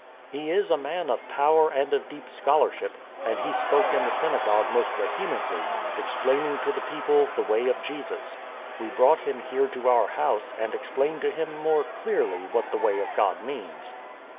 He is a man of power and of deep scholarship, and he spoke in the synagogue most vehemently, explaining to the people the Way of Jesus. We brought him here to our house and ex plained to him more clearly what the Way of God means."